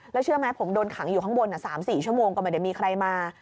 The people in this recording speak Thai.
แล้วเชื่อไหมผมโดนขังอยู่ข้างบน๓๔ชั่วโมงก็ไม่ได้มีใครมา